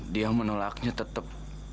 dia menolaknya tetap